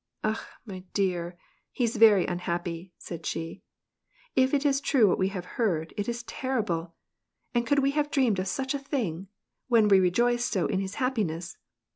" Akh, my dear ! he's very unhappy," said she ;" if it is true, what we have heard, it is terrible ! And could we have dreamed of such a thing, when we rejoiced so in his happi ness